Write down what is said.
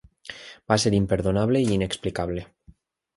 Va ser imperdonable i inexplicable.